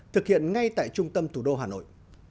thực hiện ngay tại trung tâm thủ đô hà nội